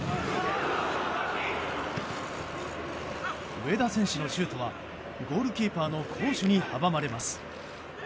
上田選手のシュートはゴールキーパーの好守に阻まれます。